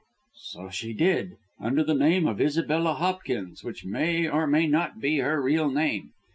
"So she did, under the name of Isabella Hopkins, which may or may not be her real name.